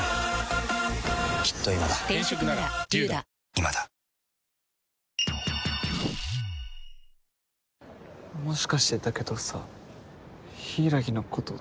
ニトリもしかしてだけどさ柊のこと。